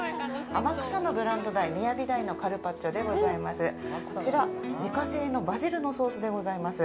天草のブランド鯛みやび鯛のカルパッチョでございます。